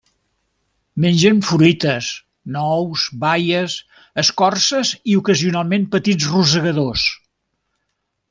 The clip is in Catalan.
Mengen fruites, nous, baies, escorces i ocasionalment petits rosegadors.